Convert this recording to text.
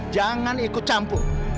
jangan ikut campur